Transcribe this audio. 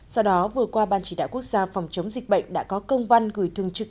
sau đó vừa qua ban chỉ đạo quốc gia phòng chống dịch bệnh đã có công văn gửi thường trực